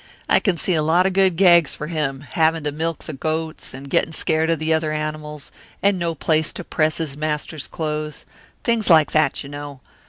I can see a lot of good gags for him, having to milk the goats, and getting scared of the other animals, and no place to press his master's clothes things like that, you know.